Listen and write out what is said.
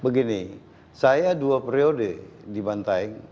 begini saya dua periode di bantaing